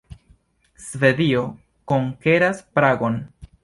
Svedio konkeras Pragon.